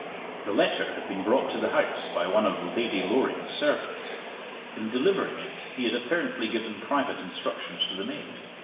The letter had been brought to the house by one of Lady Loring's servants. In delivering it he had apparently given private instructions to the maid.